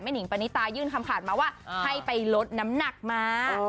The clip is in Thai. หนิงปณิตายื่นคำขาดมาว่าให้ไปลดน้ำหนักมา